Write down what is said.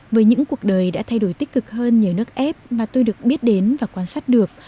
với những cuộc đời đã thay đổi tích cực hơn nhờ nước ép mà tôi được biết đến và quan sát được